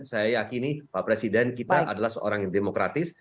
saya yakini pak presiden kita adalah seorang yang demokratis